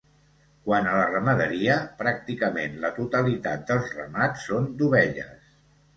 Quant a la ramaderia, pràcticament la totalitat dels ramats són d'ovelles.